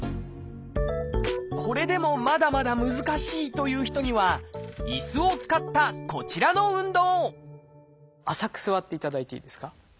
これでもまだまだ難しいという人には椅子を使ったこちらの運動浅く座っていただいていいですか。